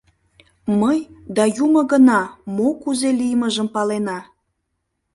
Мый да Юмо гына мо кузе лиймыжым палена.